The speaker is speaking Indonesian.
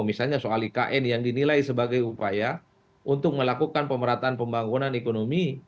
misalnya soal ikn yang dinilai sebagai upaya untuk melakukan pemerataan pembangunan ekonomi